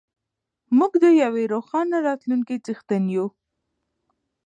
موږ د یوې روښانه راتلونکې څښتن یو.